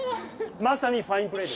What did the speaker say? まさにファインプレーです。